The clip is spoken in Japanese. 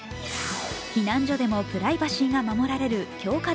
避難所でもプライバシーが守られる強化